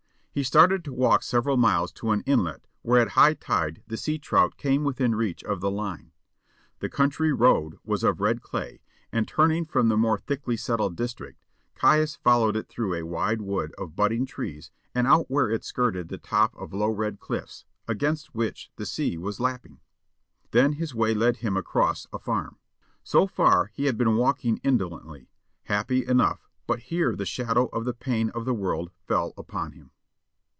He started to walk several miles to an inlet where at high tide the sea trout came within reach of the line. The country road was of red clay, and, turning from the more thickly settled district, Caius followed it through a wide wood of budding trees and out where it skirted the top of low red cliffs, against which the sea was lapping. Then his way led him across a farm. So far he had been walking indolently, happy enough, but here the shadow of the pain of the world fell upon him.